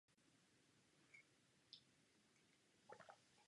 Informace o životě Jakuba z Lutychu prakticky neexistují.